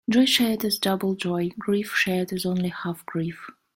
Joy shared is double joy; grief shared is only half grief.